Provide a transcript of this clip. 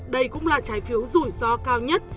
đây cũng là trái phiếu rủi ro cao nhất